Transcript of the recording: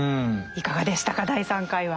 いかがでしたか第３回は。